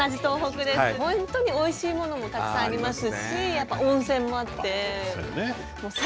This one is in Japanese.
本当においしいものもたくさんありますしやっぱ温泉もあって。